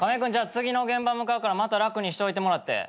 次の現場向かうからまた楽にしといてもらって。